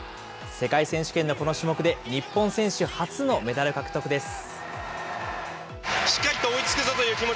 世界選手権のこの種目で、日本選手初のメダル獲得です。